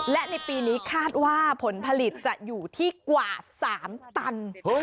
และในปีนี้คาดว่าผลผลิตจะอยู่ที่กว่า๓ตัน